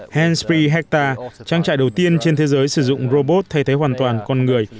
hensbury hector trang trại đầu tiên trên thế giới sử dụng robot thay thế hoàn toàn con người